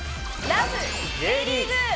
Ｊリーグ』。